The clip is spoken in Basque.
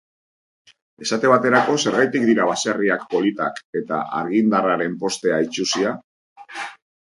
Esate baterako, zergatik dira baserriak politak eta argindarraren postea itsusia?